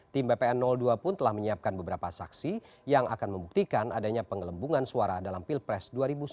tim bpn dua pun telah menyiapkan beberapa saksi yang akan membuktikan adanya penggelembungan suara dalam pilpres dua ribu sembilan belas